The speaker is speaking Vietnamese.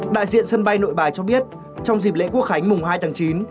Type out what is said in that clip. đại diện sân bay nội bài cho biết trong dịp lễ quốc khánh mùng hai tháng chín